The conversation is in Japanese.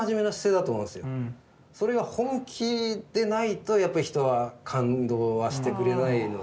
それが本気でないとやっぱり人は感動はしてくれない。